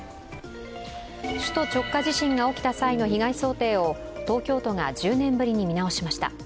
首都直下地震が起きた際の被害想定を東京都が１０年ぶりに見直しました。